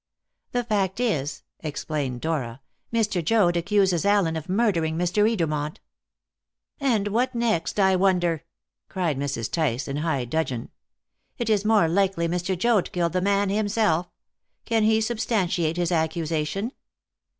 "The fact is," explained Dora, "Mr. Joad accuses Allen of murdering Mr. Edermont." "And what next, I wonder!" cried Mrs. Tice in high dudgeon; "it is more likely Mr. Joad killed the man himself! Can he substantiate his accusation?"